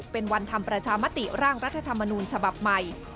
เป็นวันทำประชามติร่างรัฐธรรมนูญฉบับใหม่